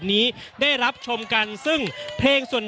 อย่างที่บอกไปว่าเรายังยึดในเรื่องของข้อ